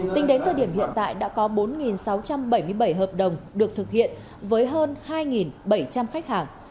tính đến thời điểm hiện tại đã có bốn sáu trăm bảy mươi bảy hợp đồng được thực hiện với hơn hai bảy trăm linh khách hàng